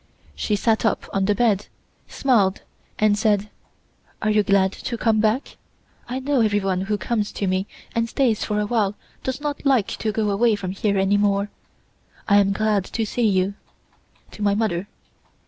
She sat up on the bed, smiled, and said: "Are you glad to come back? I know everyone who comes to me and stays for a while does not like to go away from here any more. I am glad to see you (to my mother).